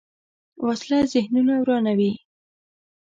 وسله ذهنونه ورانوي